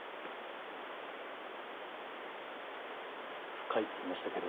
深いって言いましたけど。